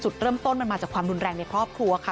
จุดเริ่มต้นมันมาจากความรุนแรงในครอบครัวค่ะ